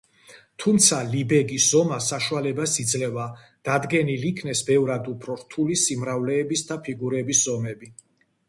თუმცა, ლებეგის ზომა საშუალებას იძლევა დადგენილ იქნეს ბევრად უფრო რთული სიმრავლეების და ფიგურების ზომები.